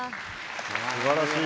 すばらしい。